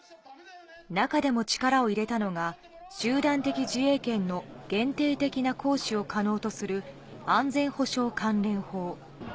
中でも力を入れたのが、集団的自衛権の限定的な行使を可能とする安全保障関連法。